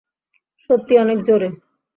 সত্যিই অনেক জোরে।